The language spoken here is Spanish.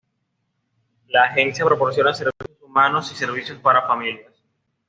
La agencia proporciona servicios humanos y servicios para familias.